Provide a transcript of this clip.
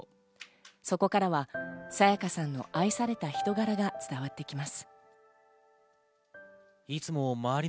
そこからは沙也加さんの愛された人柄が伝わってきます。